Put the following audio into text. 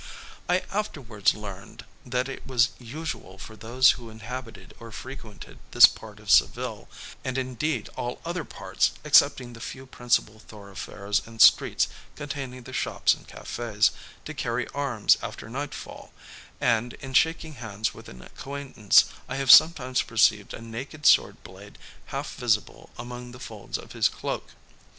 I afterwards learned that it was usual for those who inhabited or frequented this part of Seville, and indeed all other parts, excepting the few principal thoroughfares and streets containing the shops and cafés, to carry arms after nightfall; and in shaking hands with an acquaintance, I have sometimes perceived a naked sword blade half visible among the folds of his cloak.